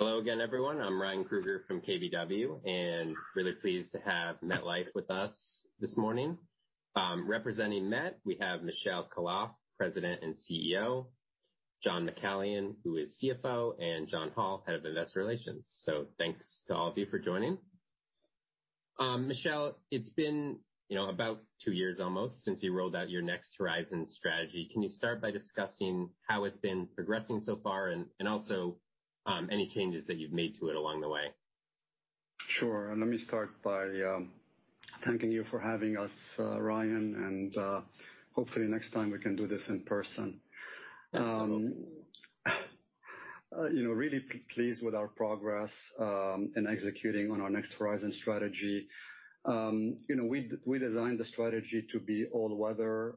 Hello again, everyone. I'm Ryan Krueger from KBW, really pleased to have MetLife with us this morning. Representing Met, we have Michel Khalaf, President and CEO, John McCallion, who is CFO, and John Hall, Head of Investor Relations. Thanks to all of you for joining. Michel, it's been about two years almost since you rolled out your Next Horizon strategy. Can you start by discussing how it's been progressing so far and also any changes that you've made to it along the way? Sure. Let me start by thanking you for having us, Ryan, and hopefully next time we can do this in person. Yeah. Really pleased with our progress in executing on our Next Horizon strategy. We designed the strategy to be all-weather,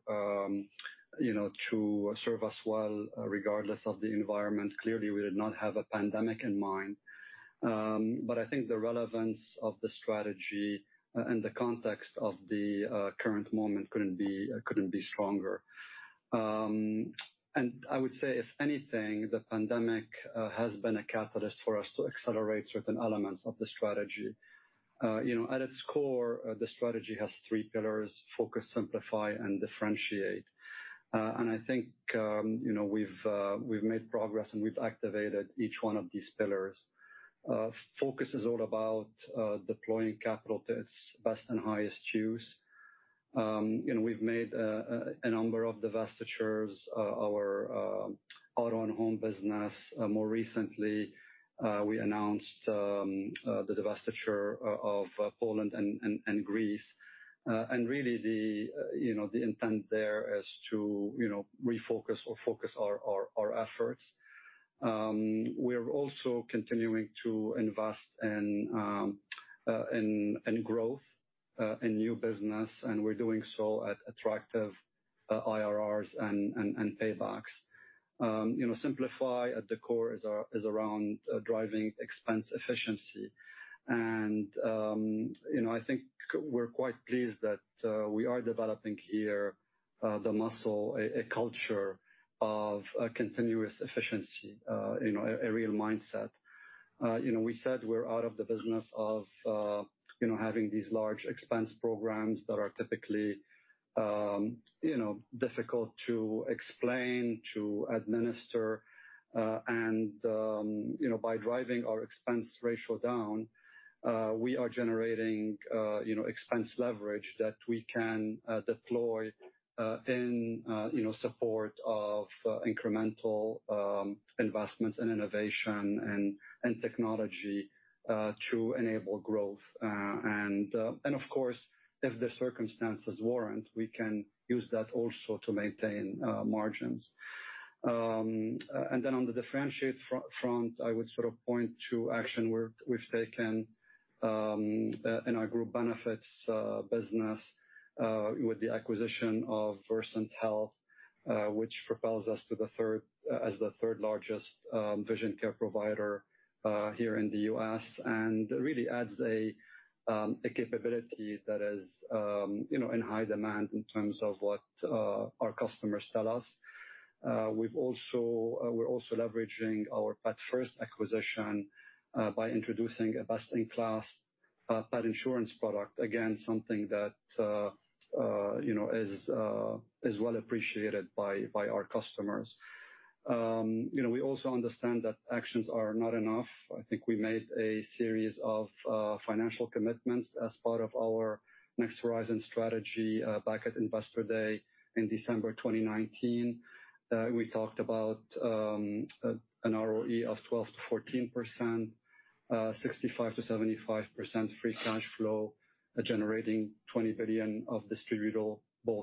to serve us well regardless of the environment. Clearly, we did not have a pandemic in mind. I think the relevance of the strategy and the context of the current moment couldn't be stronger. I would say, if anything, the pandemic has been a catalyst for us to accelerate certain elements of the strategy. At its core, the strategy has three pillars, focus, simplify, and differentiate. I think we've made progress, and we've activated each one of these pillars. Focus is all about deploying capital to its best and highest use. We've made a number of divestitures, our auto and home business. More recently, we announced the divestiture of Poland and Greece. Really the intent there is to refocus or focus our efforts. We're also continuing to invest in growth, in new business, and we're doing so at attractive IRRs and paybacks. Simplify at the core is around driving expense efficiency. I think we're quite pleased that we are developing here the muscle, a culture of continuous efficiency, a real mindset. We said we're out of the business of having these large expense programs that are typically difficult to explain, to administer. By driving our expense ratio down, we are generating expense leverage that we can deploy in support of incremental investments in innovation and technology to enable growth. Of course, if the circumstances warrant, we can use that also to maintain margins. On the differentiate front, I would point to action we've taken in our group benefits business with the acquisition of Versant Health, which propels us as the third-largest vision care provider here in the U.S. and really adds a capability that is in high demand in terms of what our customers tell us. We're also leveraging our PetFirst acquisition by introducing a best-in-class pet insurance product. Again, something that is well appreciated by our customers. We also understand that actions are not enough. I think we made a series of financial commitments as part of our Next Horizon strategy back at Investor Day in December 2019. We talked about an ROE of 12%-14%, 65%-75% free cash flow, generating $20 billion of distributable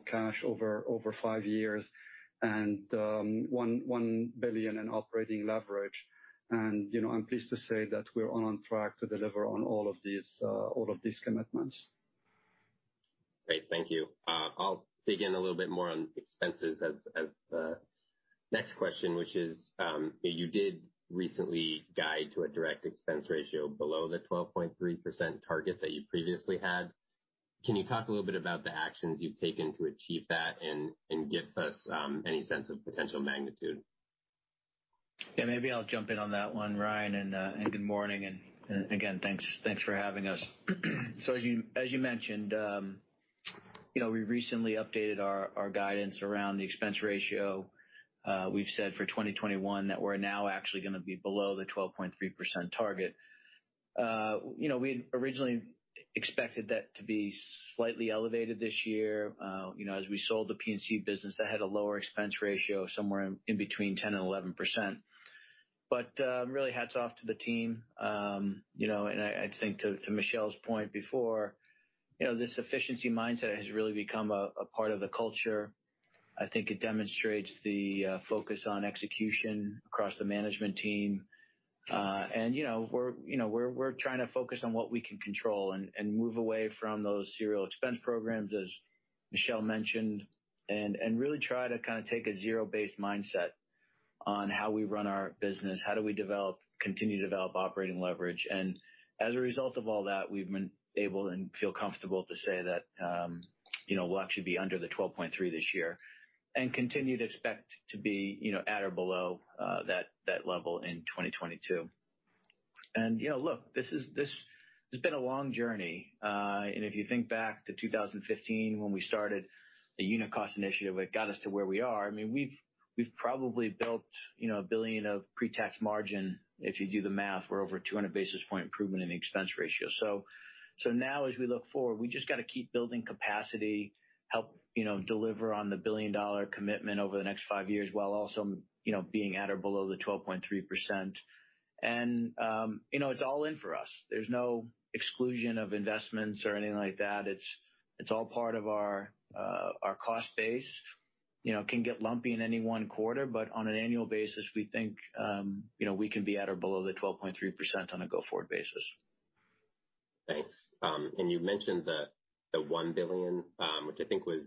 cash over 5 years, and $1 billion in operating leverage. I'm pleased to say that we're on track to deliver on all of these commitments. Great. Thank you. I'll dig in a little bit more on expenses as the next question, which is, you did recently guide to a direct expense ratio below the 12.3% target that you previously had. Can you talk a little bit about the actions you've taken to achieve that and give us any sense of potential magnitude? Maybe I'll jump in on that one, Ryan, good morning, and again, thanks for having us. As you mentioned, we recently updated our guidance around the expense ratio. We've said for 2021 that we're now actually going to be below the 12.3% target. We had originally expected that to be slightly elevated this year. As we sold the P&C business, that had a lower expense ratio of somewhere in between 10%-11%. Really hats off to the team. I think to Michel's point before, this efficiency mindset has really become a part of the culture. I think it demonstrates the focus on execution across the management team. We're trying to focus on what we can control and move away from those serial expense programs, as Michel mentioned, really try to take a zero-based mindset on how we run our business, how do we continue to develop operating leverage. As a result of all that, we've been able and feel comfortable to say that we'll actually be under the 12.3% this year and continue to expect to be at or below that level in 2022. Look, this has been a long journey. If you think back to 2015, when we started the unit cost initiative that got us to where we are, we've probably built $1 billion of pre-tax margin. If you do the math, we're over 200 basis point improvement in expense ratio. Now as we look forward, we just got to keep building capacity, help deliver on the $1 billion-dollar commitment over the next five years, while also being at or below the 12.3%. It's all in for us. There's no exclusion of investments or anything like that. It's all part of our cost base. Can get lumpy in any one quarter, but on an annual basis, we think we can be at or below the 12.3% on a go-forward basis. Thanks. You mentioned the $1 billion, which I think was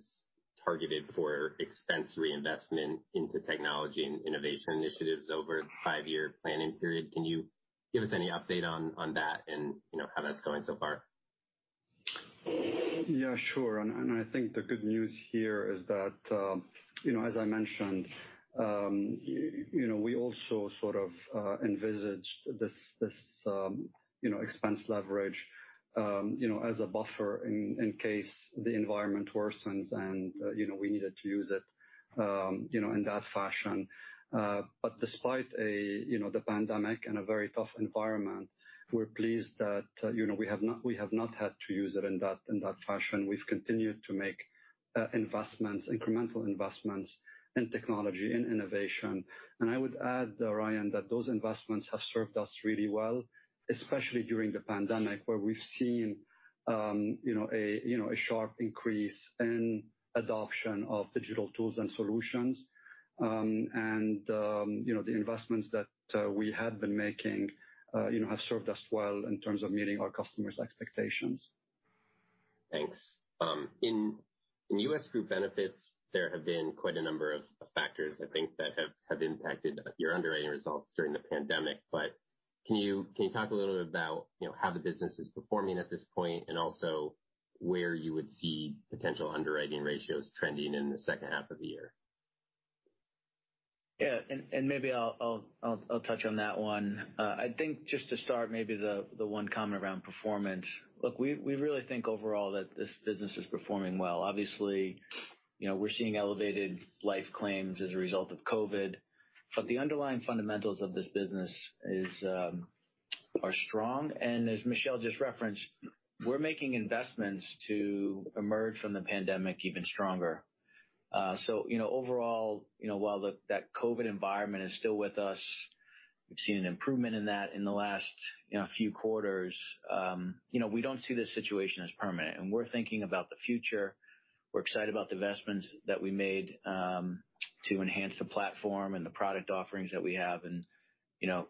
targeted for expense reinvestment into technology and innovation initiatives over a five-year planning period. Can you give us any update on that and how that's going so far? Yeah, sure. I think the good news here is that as I mentioned, we also envisaged this expense leverage as a buffer in case the environment worsens and we needed to use it in that fashion. Despite the pandemic and a very tough environment, we're pleased that we have not had to use it in that fashion. We've continued to make incremental investments in technology and innovation. I would add, Ryan, that those investments have served us really well, especially during the pandemic, where we've seen a sharp increase in adoption of digital tools and solutions. The investments that we had been making have served us well in terms of meeting our customers' expectations. Thanks. In U.S. group benefits, there have been quite a number of factors, I think, that have impacted your underwriting results during the pandemic. Can you talk a little bit about how the business is performing at this point, and also where you would see potential underwriting ratios trending in the second half of the year? Yeah, maybe I'll touch on that one. I think just to start, maybe the one comment around performance. Look, we really think overall that this business is performing well. Obviously, we're seeing elevated life claims as a result of COVID, but the underlying fundamentals of this business are strong. As Michel just referenced, we're making investments to emerge from the pandemic even stronger. Overall, while that COVID environment is still with us, we've seen an improvement in that in the last few quarters. We don't see this situation as permanent, and we're thinking about the future. We're excited about the investments that we made to enhance the platform and the product offerings that we have, and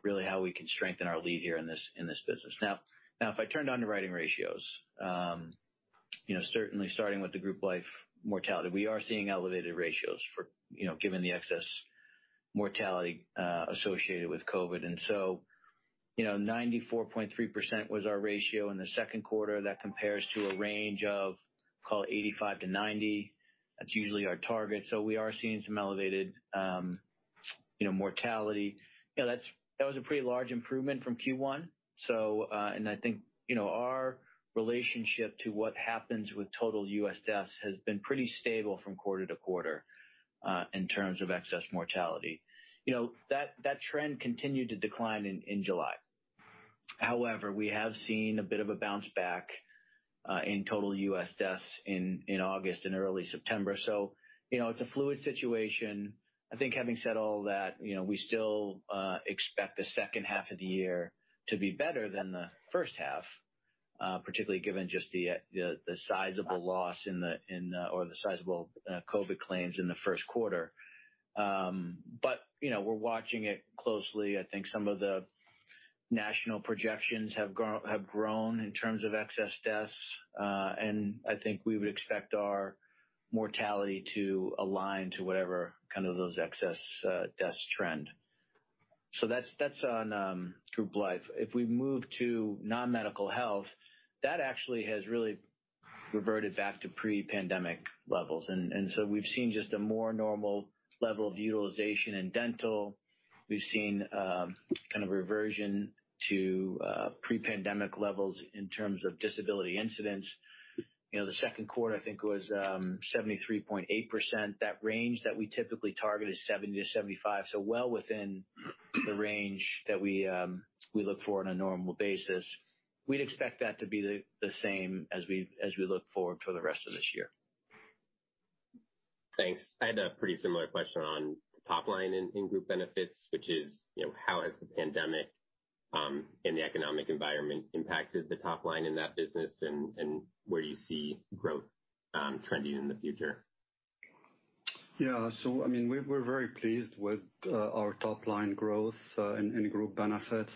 really how we can strengthen our lead here in this business. If I turn to underwriting ratios. Certainly starting with the group life mortality. We are seeing elevated ratios, given the excess mortality associated with COVID. 94.3% was our ratio in the second quarter. That compares to a range of, call it 85%-90%. That's usually our target. We are seeing some elevated mortality. That was a pretty large improvement from Q1. I think, our relationship to what happens with total U.S. deaths has been pretty stable from quarter to quarter in terms of excess mortality. That trend continued to decline in July. However, we have seen a bit of a bounce back in total U.S. deaths in August and early September. It's a fluid situation. I think having said all that, we still expect the second half of the year to be better than the first half, particularly given just the sizable loss or the sizable COVID claims in the first quarter. We're watching it closely. I think some of the national projections have grown in terms of excess deaths. I think we would expect our mortality to align to whatever those excess deaths trend. That's on group life. If we move to non-medical health, that actually has really reverted back to pre-pandemic levels. We've seen just a more normal level of utilization in dental. We've seen a reversion to pre-pandemic levels in terms of disability incidents. The second quarter, I think, was 73.8%. That range that we typically target is 70%-75%, so well within the range that we look for on a normal basis. We'd expect that to be the same as we look forward for the rest of this year. Thanks. I had a pretty similar question on the top line in Group Benefits, which is how has the pandemic and the economic environment impacted the top line in that business, and where do you see growth trending in the future? Yeah. We're very pleased with our top-line growth in Group Benefits.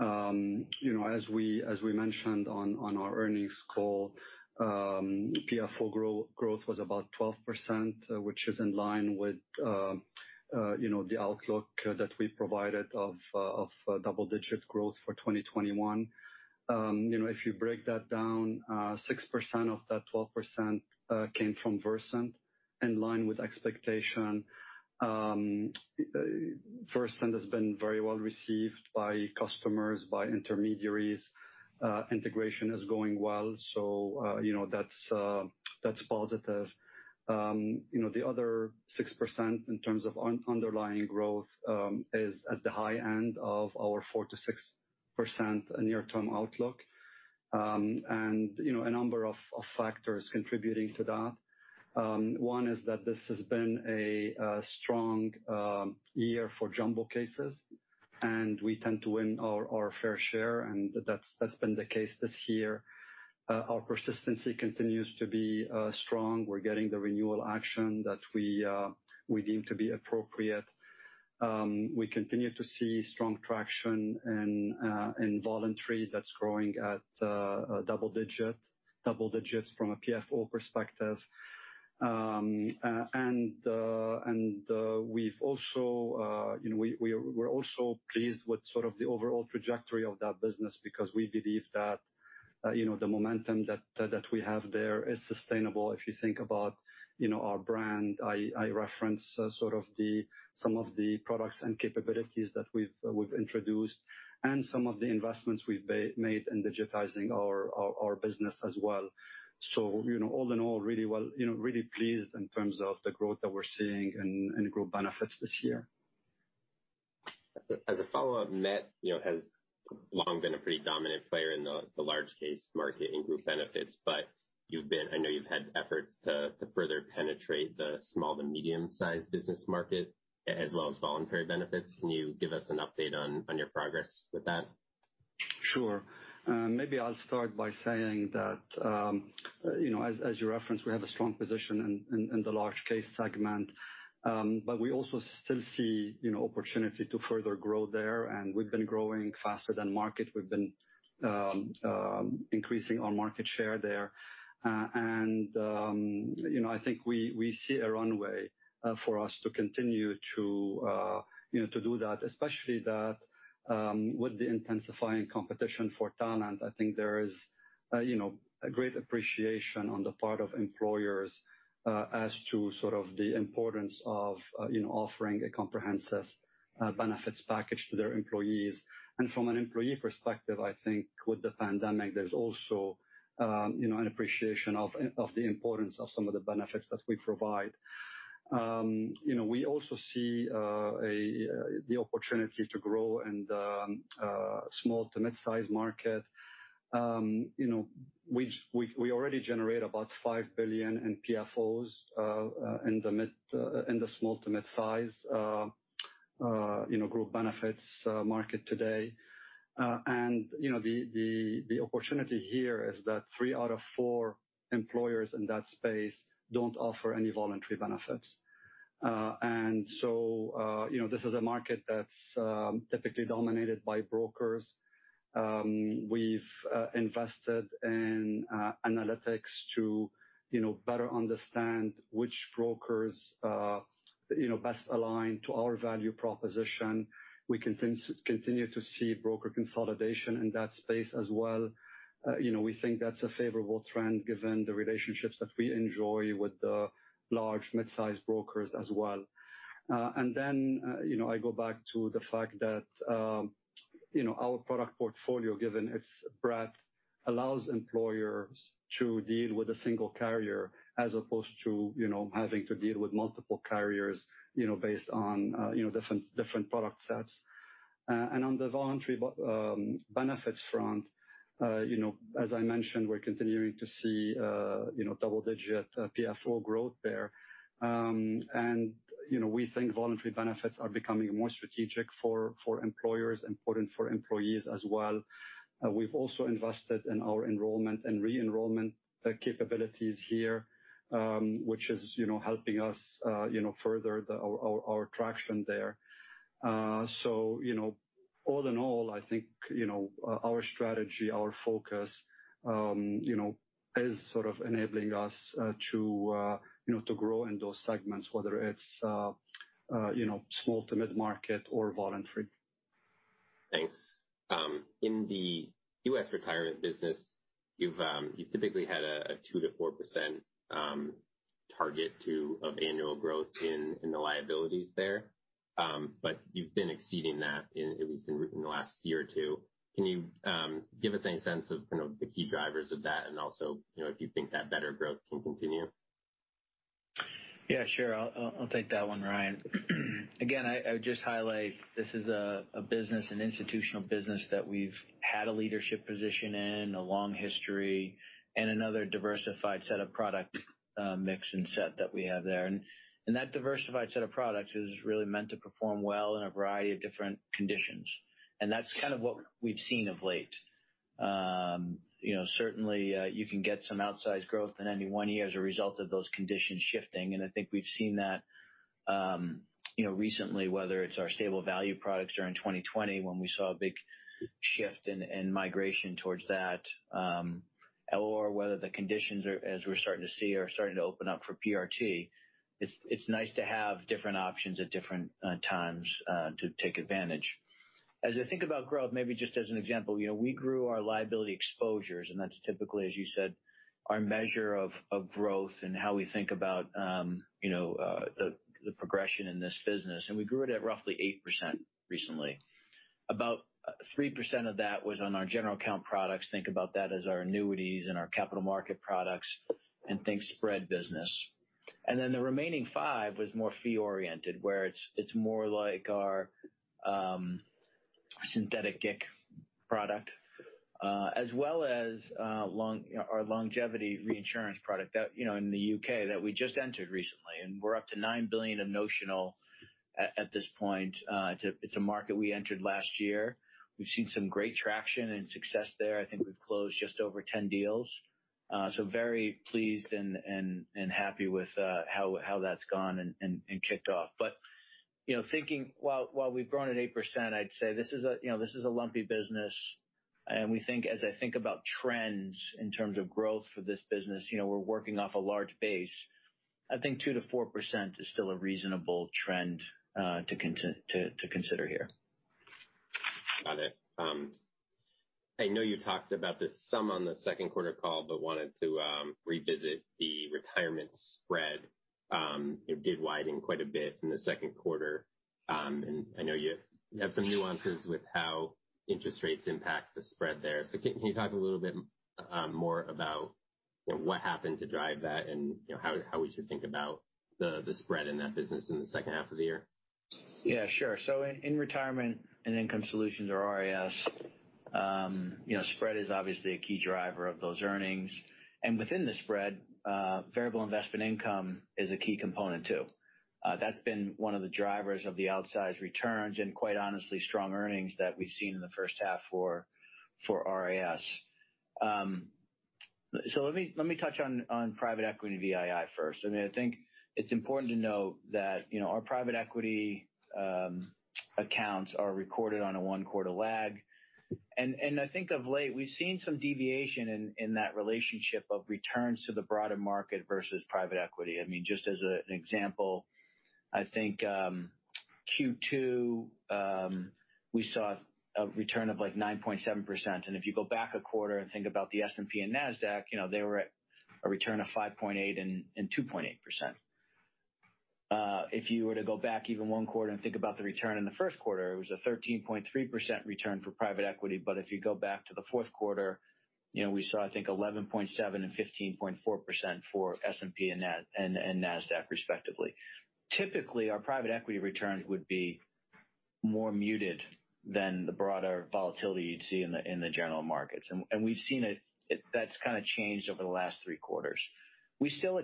As we mentioned on our earnings call, PFO growth was about 12%, which is in line with the outlook that we provided of double-digit growth for 2021. If you break that down, 6% of that 12% came from Versant, in line with expectation. Versant has been very well received by customers, by intermediaries. Integration is going well, so that's positive. The other 6%, in terms of underlying growth, is at the high end of our 4%-6% near-term outlook. A number of factors contributing to that. One is that this has been a strong year for jumbo cases, and we tend to win our fair share, and that's been the case this year. Our persistency continues to be strong. We're getting the renewal action that we deem to be appropriate. We continue to see strong traction in voluntary that's growing at double digits from a PFO perspective. We're also pleased with sort of the overall trajectory of that business because we believe that the momentum that we have there is sustainable. If you think about our brand, I reference some of the products and capabilities that we've introduced and some of the investments we've made in digitizing our business as well. All in all, really pleased in terms of the growth that we're seeing in Group Benefits this year. As a follow-up, MetLife has long been a pretty dominant player in the large case market in Group Benefits. I know you've had efforts to further penetrate the small to medium sized business market as well as voluntary benefits. Can you give us an update on your progress with that? Sure. Maybe I'll start by saying that, as you referenced, we have a strong position in the large case segment, but we also still see opportunity to further grow there. We've been growing faster than market. We've been increasing our market share there. I think we see a runway for us to continue to do that. Especially with the intensifying competition for talent, I think there is a great appreciation on the part of employers as to sort of the importance of offering a comprehensive benefits package to their employees. From an employee perspective, I think with the pandemic, there's also an appreciation of the importance of some of the benefits that we provide. We also see the opportunity to grow in the small to mid-size market. We already generate about $5 billion in PFOs in the small to mid-size group benefits market today. The opportunity here is that three out of four employers in that space don't offer any voluntary benefits. This is a market that's typically dominated by brokers. We've invested in analytics to better understand which brokers best align to our value proposition. We continue to see broker consolidation in that space as well. We think that's a favorable trend given the relationships that we enjoy with the large mid-size brokers as well. Then, I go back to the fact that our product portfolio, given its breadth, allows employers to deal with a single carrier as opposed to having to deal with multiple carriers based on different product sets. On the voluntary benefits front, as I mentioned, we're continuing to see double-digit PFO growth there. We think voluntary benefits are becoming more strategic for employers, important for employees as well. We've also invested in our enrollment and re-enrollment capabilities here, which is helping us further our traction there. All in all, I think our strategy, our focus is sort of enabling us to grow in those segments, whether it's small to mid-market or voluntary. Thanks. In the U.S. retirement business, you've typically had a 2%-4% target of annual growth in the liabilities there. You've been exceeding that, at least in the last year or two. Can you give us any sense of kind of the key drivers of that and also, if you think that better growth can continue? Yeah, sure. I'll take that one, Ryan. I would just highlight this is an institutional business that we've had a leadership position in, a long history, and another diversified set of product mix and set that we have there. That diversified set of products is really meant to perform well in a variety of different conditions. That's kind of what we've seen of late. Certainly, you can get some outsized growth in any one year as a result of those conditions shifting, and I think we've seen that recently, whether it's our stable value products during 2020, when we saw a big shift in migration towards that. Whether the conditions are, as we're starting to see, are starting to open up for PRT. It's nice to have different options at different times to take advantage. As I think about growth, maybe just as an example, we grew our liability exposures, and that's typically, as you said, our measure of growth and how we think about the progression in this business. We grew it at roughly 8% recently. About 3% of that was on our general account products. Think about that as our annuities and our capital market products and think spread business. The remaining five was more fee oriented, where it's more like our synthetic GIC product, as well as our longevity reinsurance product in the U.K. that we just entered recently, and we're up to 9 billion of notional at this point. It's a market we entered last year. We've seen some great traction and success there. I think we've closed just over 10 deals. Very pleased and happy with how that's gone and kicked off. Thinking while we've grown at 8%, I'd say this is a lumpy business, and as I think about trends in terms of growth for this business, we're working off a large base. I think 2%-4% is still a reasonable trend to consider here. Got it. I know you talked about this some on the second quarter call, wanted to revisit the retirement spread. It did widen quite a bit in the second quarter. I know you have some nuances with how interest rates impact the spread there. Can you talk a little bit more about what happened to drive that and how we should think about the spread in that business in the second half of the year? In Retirement and Income Solutions or RIS, spread is obviously a key driver of those earnings. Within the spread, variable investment income is a key component, too. That's been one of the drivers of the outsized returns and quite honestly, strong earnings that we've seen in the first half for RIS. Let me touch on private equity VII first. I think it's important to note that our private equity accounts are recorded on a one-quarter lag. Of late, we've seen some deviation in that relationship of returns to the broader market versus private equity. Just as an example, I think Q2, we saw a return of 9.7%. If you go back a quarter and think about the S&P and Nasdaq, they were at a return of 5.8% and 2.8%. If you were to go back even one quarter and think about the return in the first quarter, it was a 13.3% return for private equity. If you go back to the fourth quarter, we saw, I think, 11.7% and 15.4% for S&P and Nasdaq, respectively. Typically, our private equity returns would be more muted than the broader volatility you'd see in the general markets. We've seen that's kind of changed over the last three quarters. We still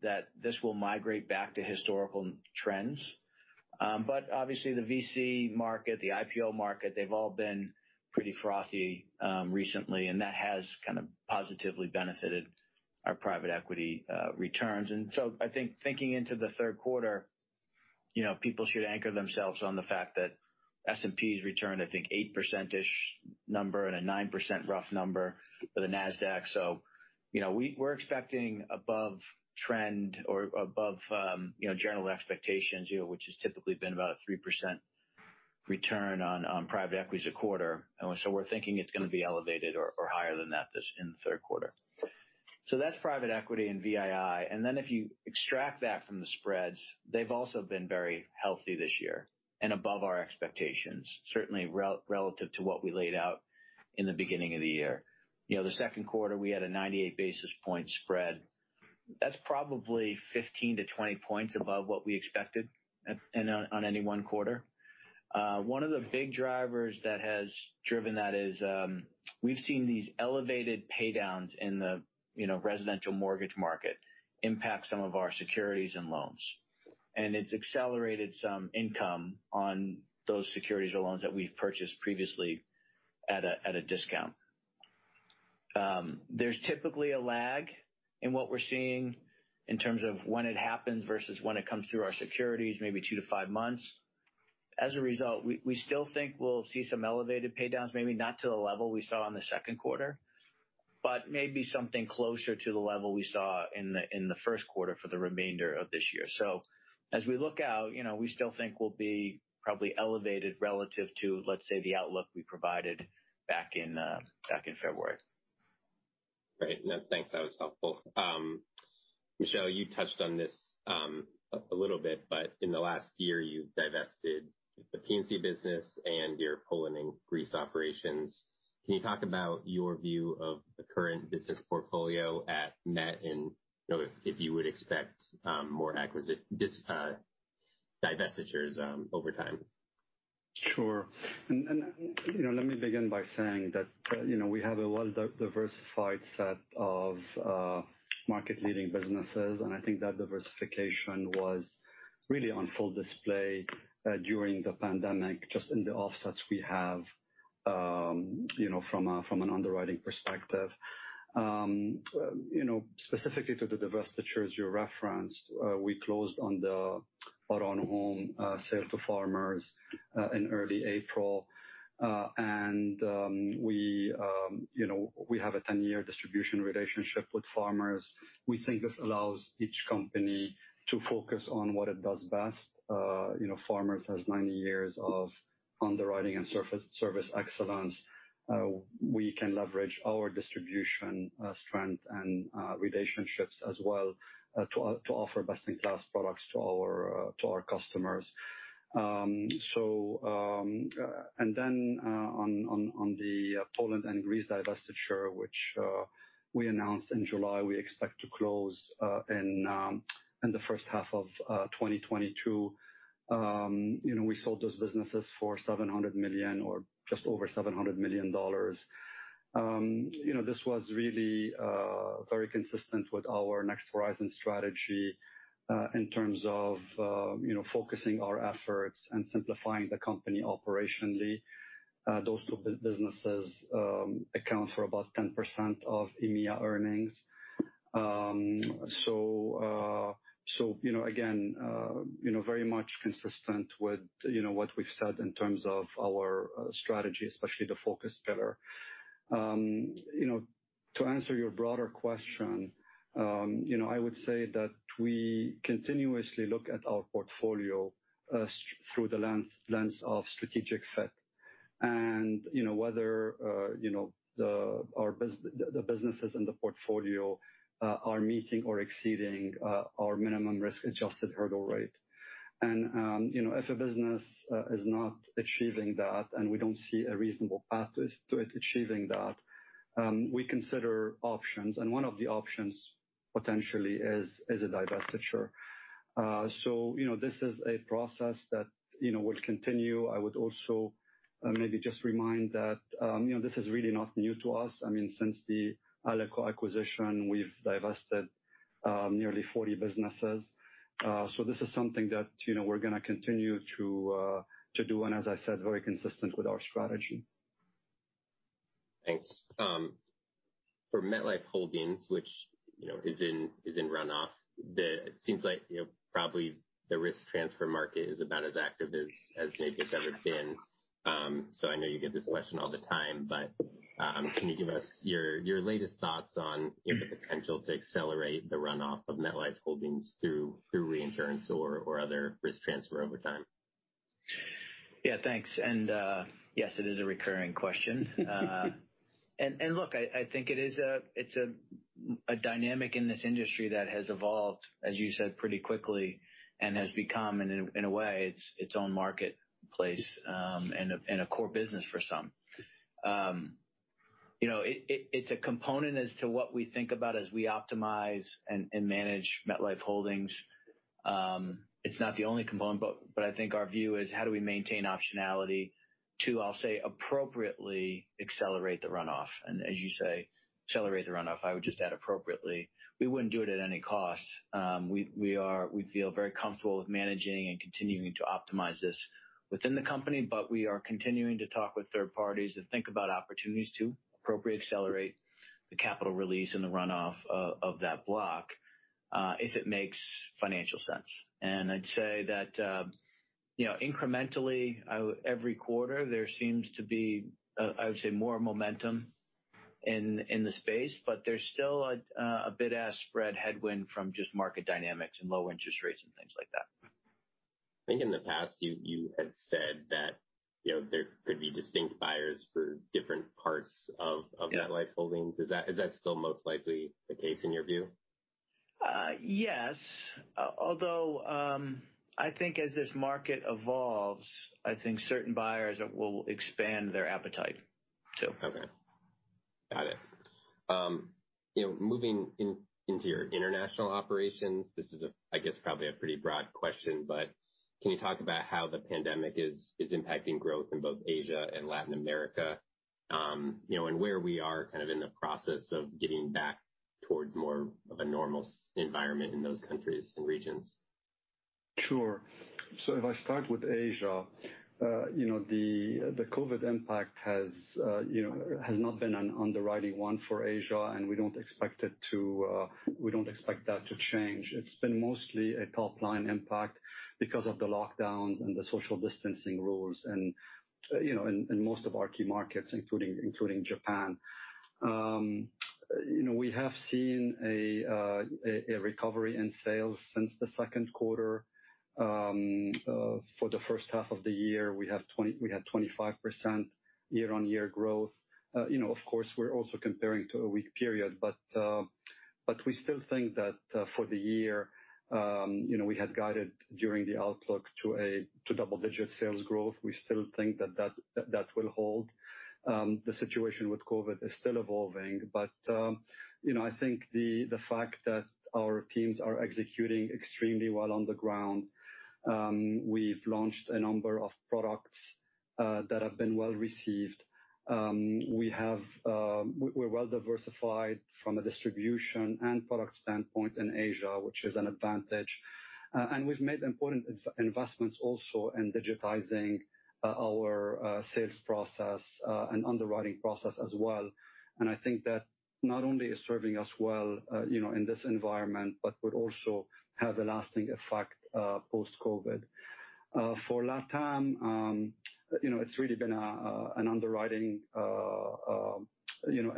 expect that this will migrate back to historical trends. Obviously the VC market, the IPO market, they've all been pretty frothy recently, and that has positively benefited our private equity returns. I think thinking into the third quarter, people should anchor themselves on the fact that S&P's returned, I think 8%-ish number and a 9% rough number for the Nasdaq. We're expecting above trend or above general expectations, which has typically been about a 3% return on private equity a quarter. We're thinking it's going to be elevated or higher than that in the third quarter. That's private equity and VII. If you extract that from the spreads, they've also been very healthy this year and above our expectations, certainly relative to what we laid out in the beginning of the year. The second quarter, we had a 98 basis point spread. That's probably 15 to 20 points above what we expected on any one quarter. One of the big drivers that has driven that is we've seen these elevated paydowns in the residential mortgage market impact some of our securities and loans, and it's accelerated some income on those securities or loans that we've purchased previously at a discount. There's typically a lag in what we're seeing in terms of when it happens versus when it comes through our securities, maybe two to five months. As a result, we still think we'll see some elevated paydowns, maybe not to the level we saw in the second quarter, but maybe something closer to the level we saw in the first quarter for the remainder of this year. As we look out, we still think we'll be probably elevated relative to, let's say, the outlook we provided back in February. Great. No, thanks. That was helpful. Michel, you touched on this a little bit, but in the last year, you've divested the P&C business and your Poland and Greece operations. Can you talk about your view of the current business portfolio at MetLife and if you would expect more divestitures over time? Sure. Let me begin by saying that we have a well-diversified set of market-leading businesses, and I think that diversification was really on full display during the pandemic, just in the offsets we have from an underwriting perspective. Specifically to the divestitures you referenced, we closed on the Auto & Home sale to Farmers in early April. We have a 10-year distribution relationship with Farmers. We think this allows each company to focus on what it does best. Farmers has 90 years of underwriting and service excellence. We can leverage our distribution strength and relationships as well to offer best-in-class products to our customers. On the Poland and Greece divestiture, which we announced in July, we expect to close in the first half of 2022. We sold those businesses for $700 million or just over $700 million. This was really very consistent with our Next Horizon strategy, in terms of focusing our efforts and simplifying the company operationally. Those two businesses account for about 10% of EMEA earnings. Again, very much consistent with what we've said in terms of our strategy, especially the focus pillar. To answer your broader question, I would say that we continuously look at our portfolio through the lens of strategic fit and whether the businesses in the portfolio are meeting or exceeding our minimum risk-adjusted hurdle rate. If a business is not achieving that, and we don't see a reasonable path to it achieving that, we consider options, and one of the options, potentially, is a divestiture. This is a process that will continue. I would also maybe just remind that this is really not new to us. Since the Alico acquisition, we've divested nearly 40 businesses. This is something that we're going to continue to do and, as I said, very consistent with our strategy. Thanks. For MetLife Holdings, which is in runoff, it seems like probably the risk transfer market is about as active as maybe it's ever been. I know you get this question all the time, but can you give us your latest thoughts on the potential to accelerate the runoff of MetLife Holdings through reinsurance or other risk transfer over time? Yeah, thanks. Yes, it is a recurring question. Look, I think it is a dynamic in this industry that has evolved, as you said, pretty quickly and has become, in a way, its own marketplace and a core business for some. It's a component as to what we think about as we optimize and manage MetLife Holdings. It's not the only component, but I think our view is how do we maintain optionality to, I'll say, appropriately accelerate the runoff. As you say, accelerate the runoff, I would just add appropriately. We wouldn't do it at any cost. We feel very comfortable with managing and continuing to optimize this within the company, but we are continuing to talk with third parties and think about opportunities to appropriately accelerate the capital release and the runoff of that block, if it makes financial sense. I'd say that incrementally, every quarter, there seems to be, I would say, more momentum in the space, but there's still a bid-ask spread headwind from just market dynamics and low interest rates and things like that. I think in the past, you had said that there could be distinct buyers for different parts of- Yeah MetLife Holdings. Is that still most likely the case in your view? Yes. I think as this market evolves, I think certain buyers will expand their appetite too. Okay. Got it. Moving into your international operations, this is, I guess, probably a pretty broad question. Can you talk about how the pandemic is impacting growth in both Asia and Latin America? Where we are in the process of getting back towards more of a normal environment in those countries and regions? Sure. If I start with Asia, the COVID impact has not been an underwriting one for Asia, we don't expect that to change. It's been mostly a top-line impact because of the lockdowns and the social distancing rules in most of our key markets, including Japan. We have seen a recovery in sales since the second quarter. For the first half of the year, we had 25% year-on-year growth. Of course, we're also comparing to a weak period, we still think that for the year, we had guided during the outlook to double-digit sales growth. We still think that will hold. The situation with COVID is still evolving, I think the fact that our teams are executing extremely well on the ground. We've launched a number of products that have been well-received. We're well-diversified from a distribution and product standpoint in Asia, which is an advantage. We've made important investments also in digitizing our sales process and underwriting process as well. I think that not only is serving us well in this environment, but would also have a lasting effect post-COVID. For Latam, it's really been an underwriting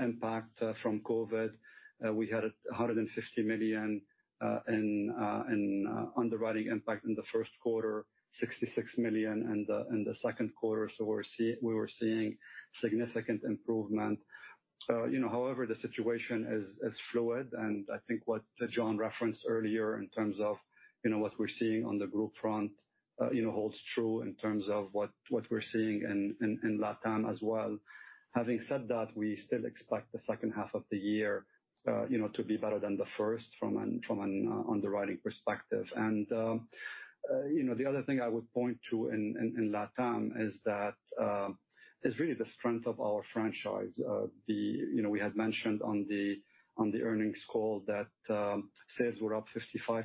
impact from COVID. We had $150 million in underwriting impact in the first quarter, $66 million in the second quarter. We were seeing significant improvement. However, the situation is fluid. I think what John referenced earlier in terms of what we're seeing on the group front holds true in terms of what we're seeing in Latam as well. Having said that, we still expect the second half of the year to be better than the first from an underwriting perspective. The other thing I would point to in Latam is really the strength of our franchise. We had mentioned on the earnings call that sales were up 55%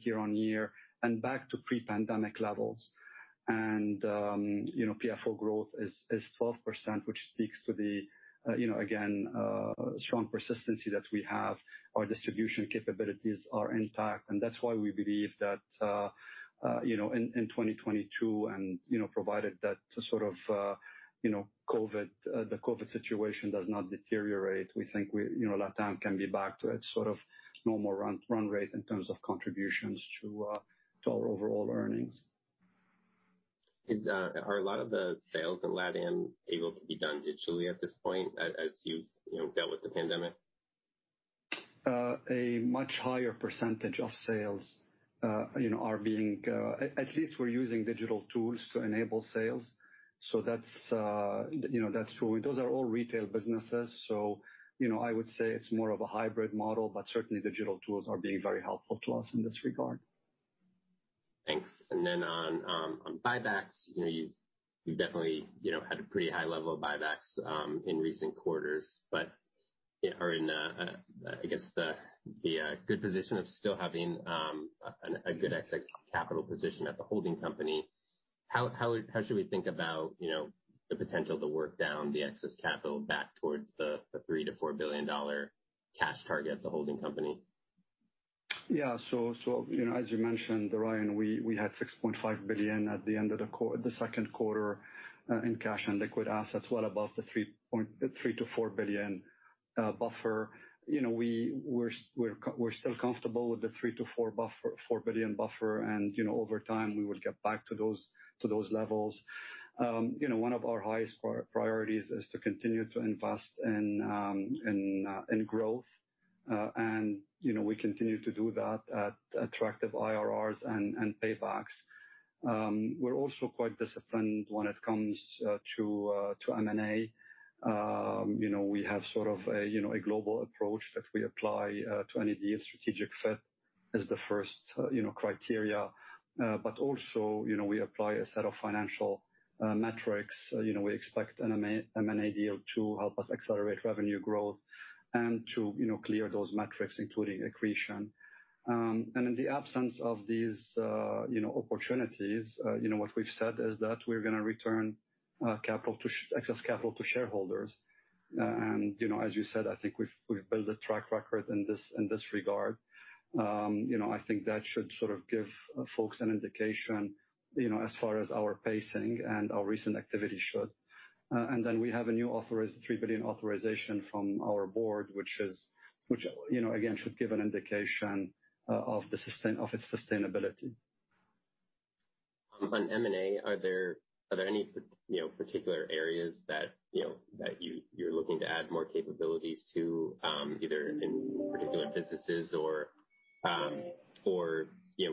year-on-year and back to pre-pandemic levels. PFO growth is 12%, which speaks to the, again, strong persistency that we have. Our distribution capabilities are intact. That's why we believe that in 2022, provided that the COVID situation does not deteriorate, we think Latam can be back to its normal run rate in terms of contributions to our overall earnings. Are a lot of the sales in Latam able to be done digitally at this point as you've dealt with the pandemic? A much higher percentage of sales. At least we're using digital tools to enable sales. That's true. Those are all retail businesses. I would say it's more of a hybrid model. Certainly digital tools are being very helpful to us in this regard. Thanks. On buybacks, you've definitely had a pretty high level of buybacks in recent quarters, but are in, I guess, the good position of still having a good excess capital position at the holding company. How should we think about the potential to work down the excess capital back towards the $3 billion to $4 billion cash target at the holding company? Yeah. As you mentioned, Ryan, we had $6.5 billion at the end of the second quarter in cash and liquid assets, well above the $3 billion to $4 billion buffer. We're still comfortable with the $3 billion to $4 billion buffer and over time, we would get back to those levels. One of our highest priorities is to continue to invest in growth. We continue to do that at attractive IRRs and paybacks. We're also quite disciplined when it comes to M&A. We have sort of a global approach that we apply to any deal. Strategic fit is the first criteria. We apply a set of financial metrics. We expect an M&A deal to help us accelerate revenue growth and to clear those metrics, including accretion. In the absence of these opportunities, what we've said is that we're going to return excess capital to shareholders. As you said, I think we've built a track record in this regard. I think that should give folks an indication as far as our pacing and our recent activity should. We have a new $3 billion authorization from our board, which again, should give an indication of its sustainability. On M&A, are there any particular areas that you're looking to add more capabilities to, either in particular businesses or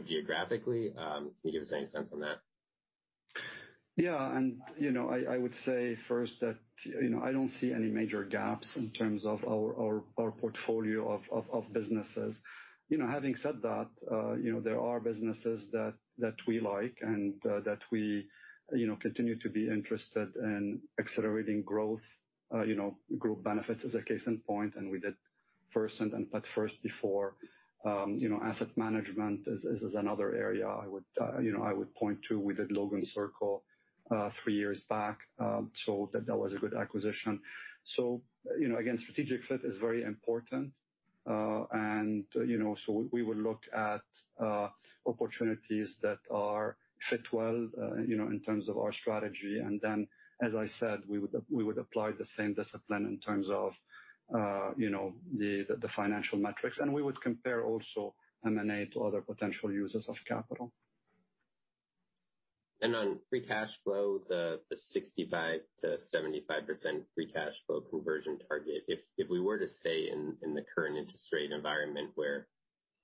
geographically? Can you give us any sense on that? I would say first that I don't see any major gaps in terms of our portfolio of businesses. Having said that, there are businesses that we like and that we continue to be interested in accelerating growth. Group benefits is a case in point, and we did Versant Health and PetFirst before. Asset management is another area I would point to. We did Logan Circle three years back. That was a good acquisition. Again, strategic fit is very important. We will look at opportunities that fit well in terms of our strategy, and then as I said, we would apply the same discipline in terms of the financial metrics. We would compare also M&A to other potential users of capital. On free cash flow, the 65%-75% free cash flow conversion target, if we were to stay in the current interest rate environment where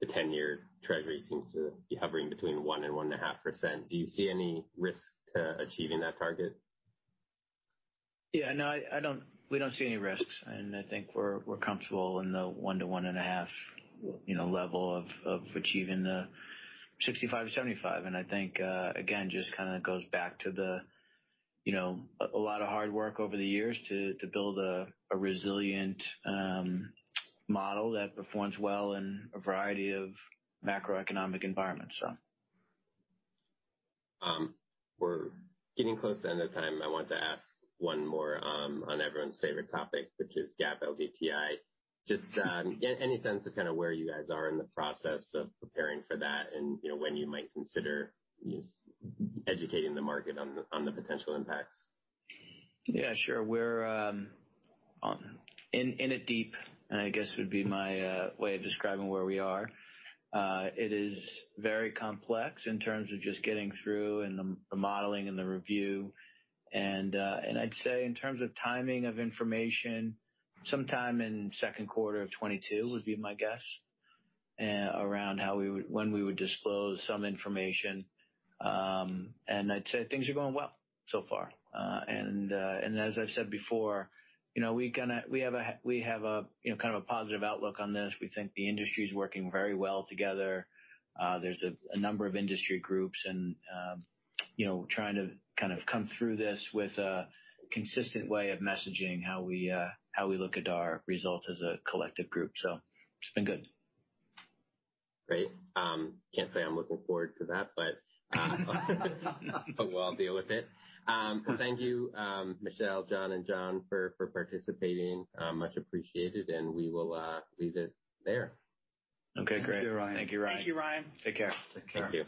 the 10-year Treasury seems to be hovering between 1% and 1.5%, do you see any risk to achieving that target? Yeah, no. We don't see any risks, I think we're comfortable in the 1%-1.5% level of achieving the 65%-75%. I think, again, just kind of goes back to a lot of hard work over the years to build a resilient model that performs well in a variety of macroeconomic environments. We're getting close to the end of time. I wanted to ask one more on everyone's favorite topic, which is GAAP LDTI. Any sense of kind of where you guys are in the process of preparing for that and when you might consider educating the market on the potential impacts? Yeah, sure. We're in it deep, I guess would be my way of describing where we are. It is very complex in terms of just getting through and the modeling and the review. I'd say in terms of timing of information, sometime in second quarter of 2022 would be my guess around when we would disclose some information. I'd say things are going well so far. As I've said before, we have a kind of a positive outlook on this. We think the industry's working very well together. There's a number of industry groups and trying to kind of come through this with a consistent way of messaging how we look at our results as a collective group. It's been good. Great. Can't say I'm looking forward to that, but we'll all deal with it. Thank you, Michel, John, and John, for participating. Much appreciated. We will leave it there. Okay, great. Thank you, Ryan. Thank you, Ryan. Thank you, Ryan. Take care. Take care. Thank you.